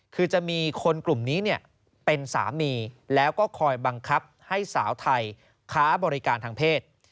คือจะมีคนกลุ่มนี้เป็นสามีแล้วก็คอยบังคับให้สาวไทยค้าบริการทางเพศ